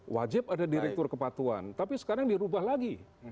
wajib ada direktur kepatuan tapi sekarang dirubah lagi